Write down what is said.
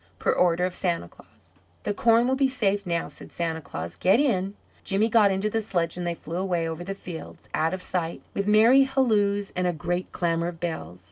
Per order of Santa Claus. "The corn will be safe now," said Santa Claus, "get in." Jimmy got into the sledge and they flew away over the fields, out of sight, with merry halloos and a great clamour of bells.